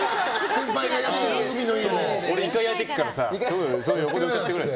俺、イカ焼いてるからさ横で歌ってくれ。